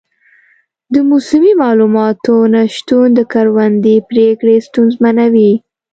د موسمي معلوماتو نه شتون د کروندې پریکړې ستونزمنوي.